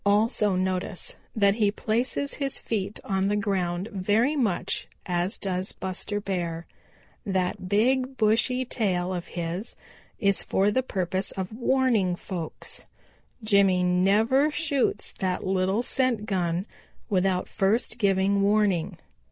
Also notice that he places his feet on the ground very much as does Buster Bear. That big, bushy tail of his is for the purpose of warning folks. Jimmy never shoots that little scent gun without first giving warning.